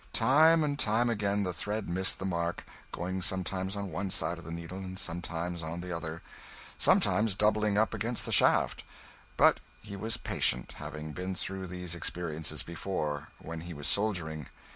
Time and time again the thread missed the mark, going sometimes on one side of the needle, sometimes on the other, sometimes doubling up against the shaft; but he was patient, having been through these experiences before, when he was soldiering.